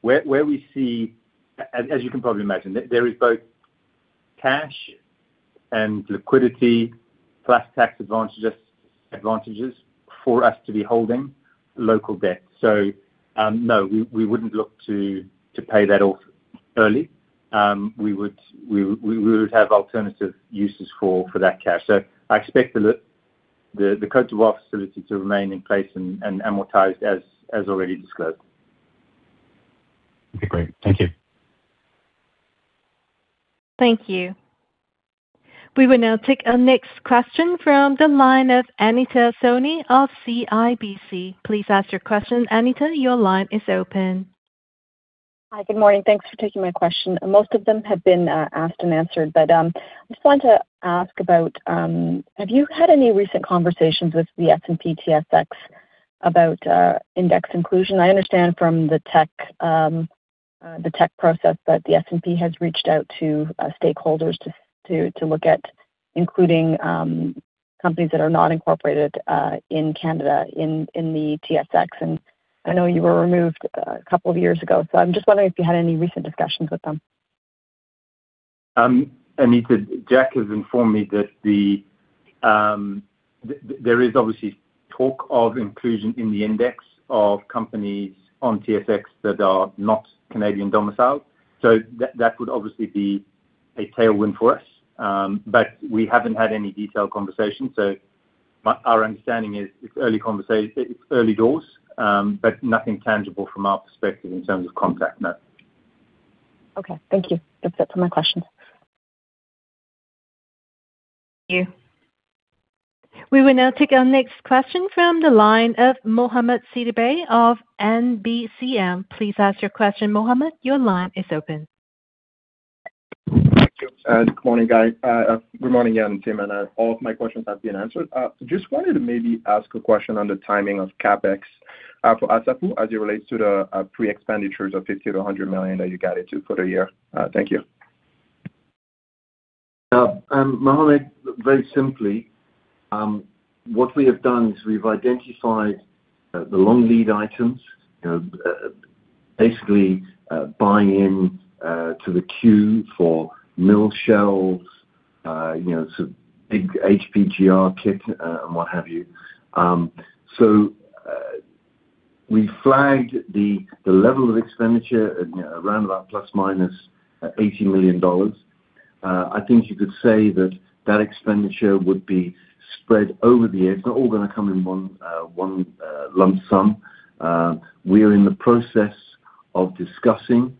Where we see as you can probably imagine, there is both cash and liquidity plus tax advantages for us to be holding local debt. No, we wouldn't look to pay that off early. We would have alternative uses for that cash. I expect the Côte d'Ivoire facility to remain in place and amortized as already disclosed. Okay, great. Thank you. Thank you. We will now take our next question from the line of Anita Soni of CIBC. Please ask your question. Anita, your line is open. Hi. Good morning. Thanks for taking my question. Most of them have been asked and answered. I just want to ask about, have you had any recent conversations with the S&P/TSX about index inclusion? I understand from the tech, the tech process that the S&P has reached out to stakeholders to look at including companies that are not incorporated in Canada in the TSX. I know you were removed a couple of years ago, so I'm just wondering if you had any recent discussions with them. Anita, Jack has informed me that there is obviously talk of inclusion in the index of companies on TSX that are not Canadian domiciled. That would obviously be a tailwind for us. We haven't had any detailed conversation. Our understanding is it's early doors, but nothing tangible from our perspective in terms of contact, no. Okay. Thank you. That's it for my questions. Thank you. We will now take our next question from the line of Mohamed Sidibé of NBCM. Please ask your question. Mohamed, your line is open. Thank you. Good morning, Guy. Good morning again, team, and all of my questions have been answered. Just wanted to maybe ask a question on the timing of CapEx for Assafou as it relates to the pre-expenditures of $50 million-$100 million that you guided to for the year. Thank you. Mohamed, very simply, what we have done is we've identified the long lead items, you know, basically, buying in to the queue for mill shells, you know, so big HPGR kit, and what have you. We flagged the level of expenditure at, you know, around about ±$80 million. I think you could say that expenditure would be spread over the year. It's not all gonna come in one lump sum. We are in the process of discussing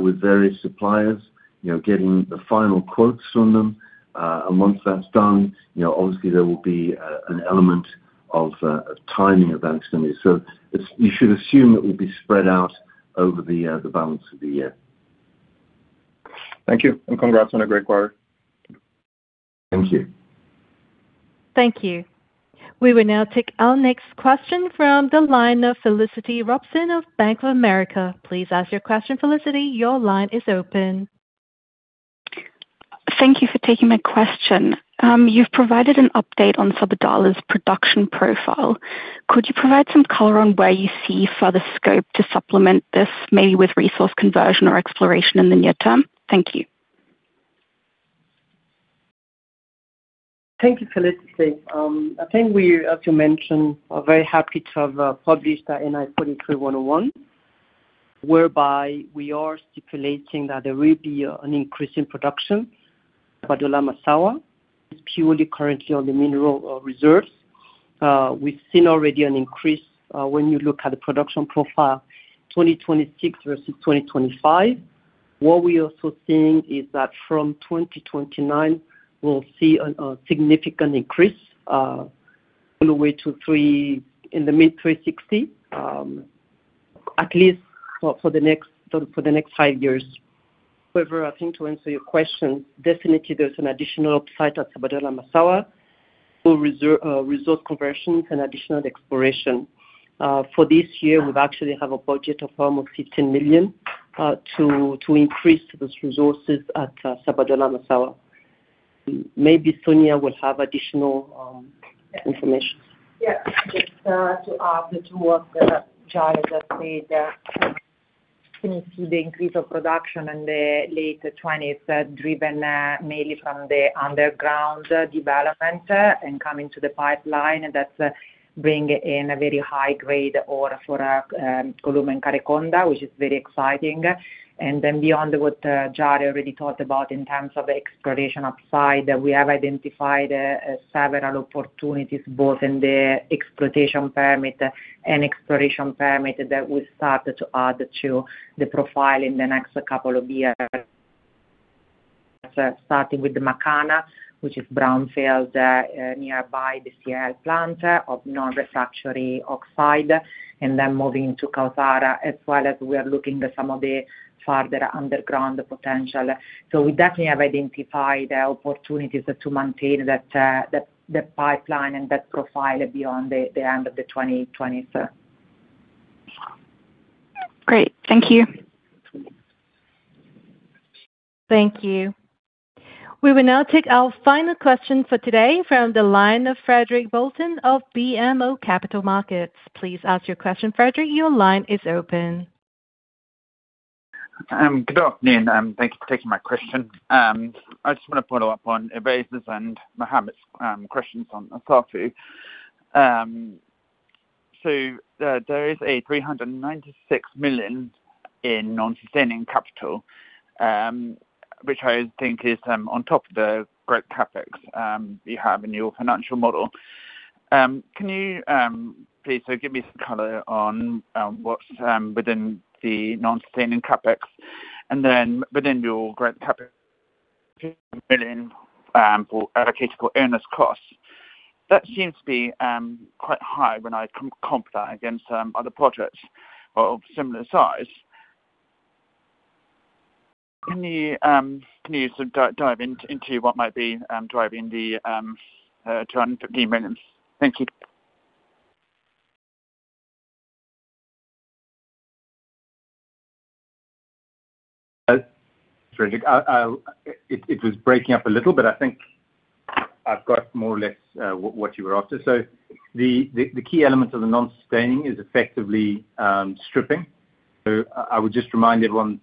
with various suppliers, you know, getting the final quotes from them. Once that's done, you know, obviously there will be an element of timing of that spend. You should assume it will be spread out over the balance of the year. Thank you, congrats on a great quarter. Thank you. Thank you. We will now take our next question from the line of Felicity Robson of Bank of America. Please ask your question. Felicity, your line is open. Thank you for taking my question. You've provided an update on Sabodala's production profile. Could you provide some color on where you see further scope to supplement this, maybe with resource conversion or exploration in the near term? Thank you. Thank you, Felicity. I think we, as you mentioned, are very happy to have published our NI 43-101, whereby we are stipulating that there will be an increase in production for Sabodala-Massawa. It's purely currently on the mineral reserves. We've seen already an increase when you look at the production profile, 2026 versus 2025. What we're also seeing is that from 2029, we'll see a significant increase in the mid 360, at least for the next five years. However, I think to answer your question, definitely there's an additional upside at Sabodala-Massawa for resource conversions and additional exploration. For this year, we've actually have a budget of almost $15 million to increase those resources at Sabodala-Massawa. Maybe Sonia will have additional information. Yeah. Just to add to what Djaria has said, going through the increase of production in the late 20s, driven mainly from the underground development, and coming to the pipeline, that's bringing in a very high grade ore for our Golouma and Kerekounda, which is very exciting. Beyond what Djaria already talked about in terms of exploration upside, we have identified several opportunities both in the exploitation permit and exploration permit that we started to add to the profile in the next couple of years. Starting with the Makana, which is brownfield, nearby the CIL plant of non-refractory oxide, and then moving to Kawsara, as well as we are looking at some of the farther underground potential. We definitely have identified opportunities to maintain that, the pipeline and that profile beyond the end of 2024. Great. Thank you. Thank you. We will now take our final question for today from the line of Frederic Bolton of BMO Capital Markets. Please ask your question. Frederic, your line is open. Good afternoon. Thank you for taking my question. I just want to follow up on Ovais's and Mohamed's questions on Assafou. There is a $396 million in non-sustaining capital, which I think is on top of the growth CapEx you have in your financial model. Can you please give me some color on what's within the non-sustaining CapEx? Within your growth CapEx (inaudible) allocated for owner's costs. That seems to be quite high when I compare that against other projects of similar size. Can you sort of dive into what might be driving the $215 million? Thank you. Frederic, it was breaking up a little, but I think I've got more or less what you were after. The key element of the non-sustaining is effectively stripping. I would just remind everyone,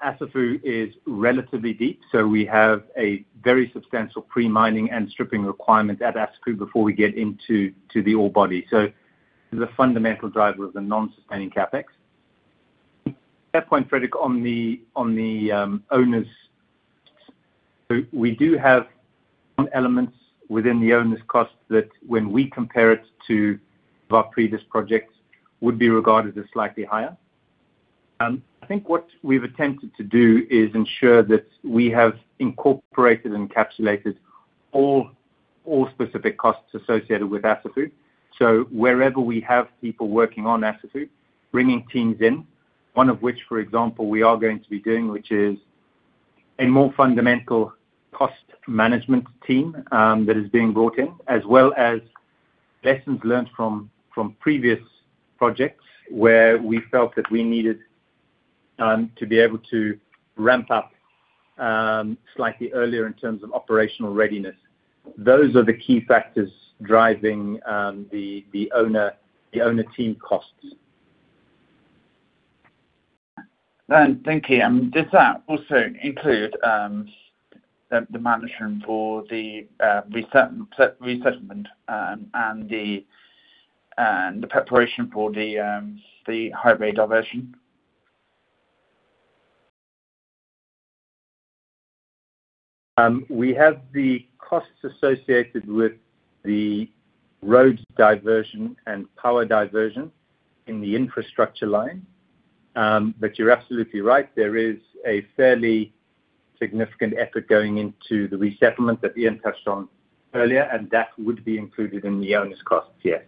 Assafou is relatively deep, so we have a very substantial pre-mining and stripping requirement at Assafou before we get into the ore body. The fundamental driver of the non-sustaining CapEx. At that point, Frederic, on the owners, we do have some elements within the owner's cost that when we compare it to our previous projects, would be regarded as slightly higher. I think what we've attempted to do is ensure that we have incorporated, encapsulated all specific costs associated with Assafou. Wherever we have people working on Assafou, bringing teams in, one of which, for example, we are going to be doing, which is a more fundamental cost management team, that is being brought in, as well as lessons learned from previous projects where we felt that we needed to be able to ramp-up slightly earlier in terms of operational readiness. Those are the key factors driving the owner team costs. Thank you. Does that also include the management for the resettlement and the preparation for the highway diversion? We have the costs associated with the road diversion and power diversion in the infrastructure line. You're absolutely right. There is a fairly significant effort going into the resettlement that Ian touched on earlier, and that would be included in the owner's costs, yes.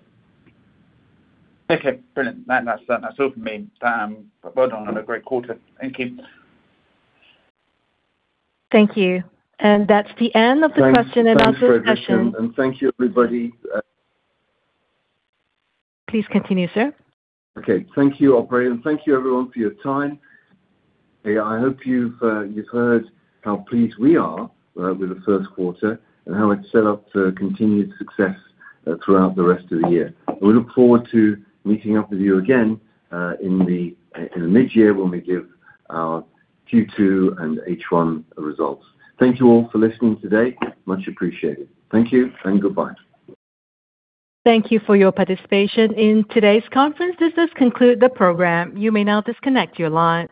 Okay, brilliant. That's all for me. Well done on a great quarter. Thank you. Thank you. That's the end of the question-and-answer session. (crosstalk) Thanks, Frederic. Thank you, everybody. Please continue, sir. Okay. Thank you, operator, and thank you everyone for your time. I hope you've heard how pleased we are with the Q1 and how it's set up for continued success throughout the rest of the year. We look forward to meeting up with you again in the mid-year when we give our Q2 and H1 results. Thank you all for listening today. Much appreciated. Thank you and goodbye. Thank you for your participation in today's conference. This does conclude the program. You may now disconnect your lines.